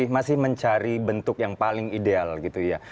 masih mencari bentuk yang paling ideal gitu ya